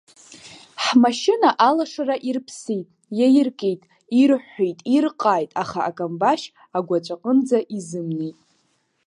Ҳмашьына алашара ирԥсит, иаиркит, ирҳәҳәеит, ирҟааит, аха акамбашь, агәаҵәаҟынӡа изымнеит.